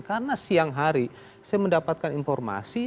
karena siang hari saya mendapatkan informasi